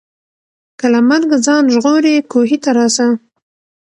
که له مرګه ځان ژغورې کوهي ته راسه